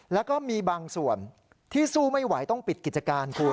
แล้วก็มีบางส่วนที่สู้ไม่ไหวต้องปิดกิจการคุณ